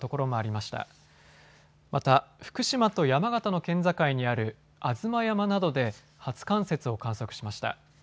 また福島と山形の県境にある吾妻山などで初冠雪を観測しました。